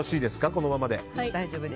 このままで。